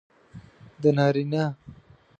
د نارینه